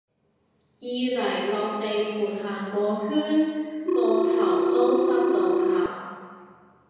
二嚟落地盤行個圈個頭都濕到塌